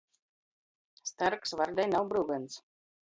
Starks vardei nav bryugons.